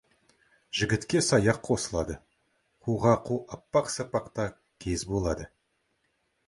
Жігітке саяқ қосылады, қуға қу апақ-сапақта кез болады.